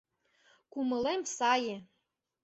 Кумылем сае.